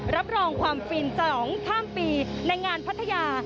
รับรองความฟินฉลองข้ามปีในงานพัทยา